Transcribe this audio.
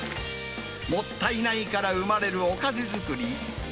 もったいないから生まれるおかず作り。